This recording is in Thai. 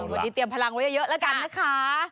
วันนี้เตรียมพลังไว้เยอะแล้วกันนะคะ